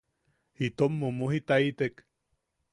Itom mumujitaitek.